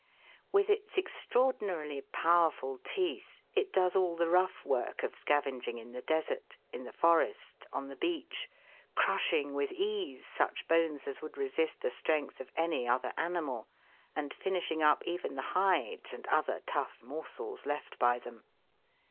With its extraordinarily powerful teeth it does all the rough work of scavenging in the desert, in the forest, on the beach, crushing with ease such bones as would resist the strength of any other animal, and finishing up even the hides and other tough morsels left by them.